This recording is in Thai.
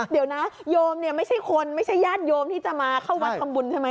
เดี๋ยวนะโยมเนี่ยไม่ใช่คนไม่ใช่ญาติโยมที่จะมาเข้าวัดทำบุญใช่ไหม